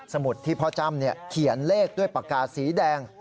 มุดที่พ่อจ้ำเขียนเลขด้วยปากกาสีแดง